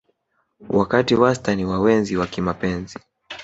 Wakati wastani wa wenzi wa kimapenzi